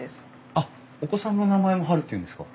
あっお子さんの名前もハルっていうんですか？